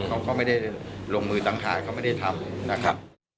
เขาก็ไม่ได้ลงมือตังค่าไม่ได้ทำ